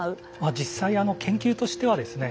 実際研究としてはですね